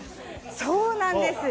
そうなんです。